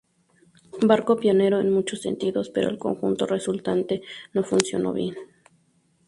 Barco pionero en muchos sentidos, pero el conjunto resultante no funcionó bien.